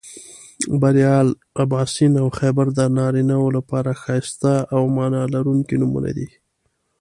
بریال، اباسین او خیبر د نارینهٔ و لپاره ښایسته او معنا لرونکي نومونه دي